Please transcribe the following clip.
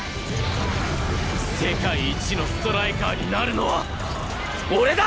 世界一のストライカーになるのは俺だ！！